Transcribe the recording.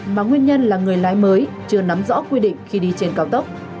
mà nguyên nhân là người lái mới chưa nắm rõ quy định khi đi trên cao tốc